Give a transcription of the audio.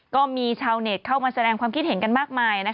ก็มีชาวเน็ตเข้ามาแสดงความคิดเห็นกันมากมาย